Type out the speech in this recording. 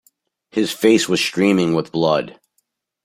His face was streaming with blood.